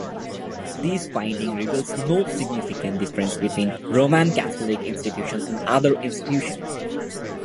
This finding reveals no significant difference between Roman Catholic institutions and other institutions.